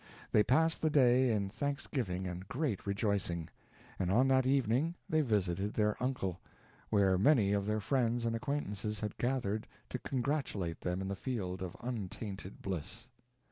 They passed the day in thanksgiving and great rejoicing, and on that evening they visited their uncle, where many of their friends and acquaintances had gathered to congratulate them in the field of untainted bliss.